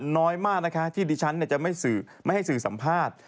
น้อยมากนะคะที่ดิฉันจะไม่ให้สื่อสัมภาษณ์